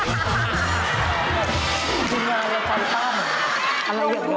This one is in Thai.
ทีมงานแล้วใจกล้าหมด